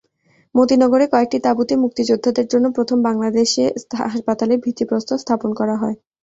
মতিনগরে কয়েকটি তাঁবুতে মুক্তিযোদ্ধাদের জন্য প্রথম বাংলাদেশ হাসপাতালের ভিত্তিপ্রস্তর স্থাপন করা হয়।